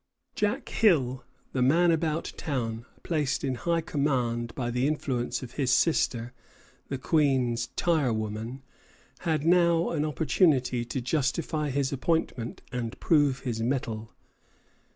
"Jack Hill," the man about town, placed in high command by the influence of his sister, the Queen's tire woman, had now an opportunity to justify his appointment and prove his mettle.